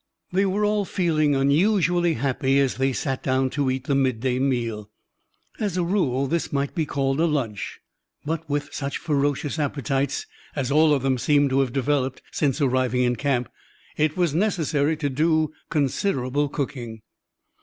They were all feeling unusually happy as they sat down to eat the midday meal. As a rule, this might be called a lunch; but with such ferocious appetites as all of them seemed to have developed since arriving in camp, it was necessary to do considerable cooking.